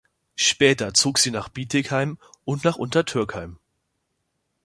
Später zog sie nach Bietigheim und nach Untertürkheim.